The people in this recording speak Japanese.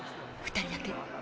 ２人だけ。